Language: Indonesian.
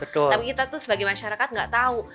tapi kita tuh sebagai masyarakat gak tau